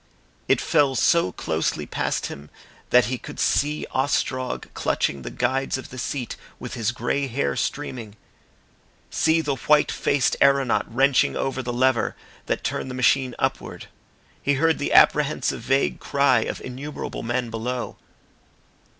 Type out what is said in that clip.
It fell so closely past him that he could see Ostrog clutching the guides of the seat, with his grey hair streaming; see the white faced aeronaut wrenching over the lever that turned the machine upward. He heard the apprehensive vague cry of innumerable men below.